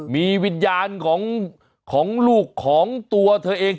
มีวิญญาณของลูกของตัวเธอเอง